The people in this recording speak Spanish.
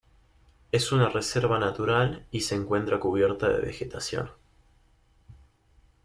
Es una reserva natural y se encuentra cubierta de vegetación.